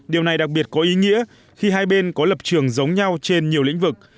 điều này đặc biệt có ý nghĩa khi hai bên có lập trường giống nhau trên nhiều lĩnh vực